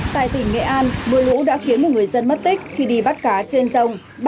tại tỉnh nghệ an mưa lũ đã khiến một người dân mất tích khi đi bắt cá trên sông